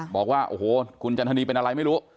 บอกว่าโอ้โหคุณจันทนีเป็นอะไรไม่รู้